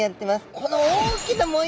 この大きな模様！